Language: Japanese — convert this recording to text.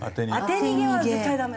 当て逃げは絶対ダメだ。